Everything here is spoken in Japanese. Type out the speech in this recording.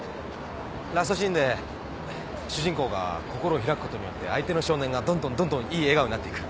ラストシーンで主人公が心を開くことによって相手の少年がどんどんどんどんいい笑顔になってく。